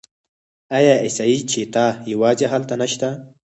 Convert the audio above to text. آیا اسیایي چیتا یوازې هلته نشته؟